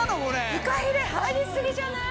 フカヒレ入りすぎじゃない？